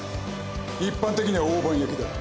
一般的には大判焼きだ。